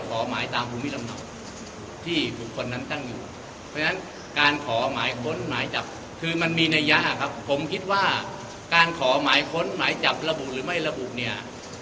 ก็อย่างที่ท่านสุรเชษฐ์บอกเลยครับว่าปกติหมายจำเนี่ย